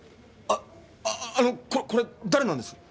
あのこれ誰なんです？